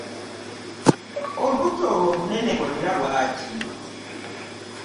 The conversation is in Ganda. Olubutto olwo olunene lwona lwaki?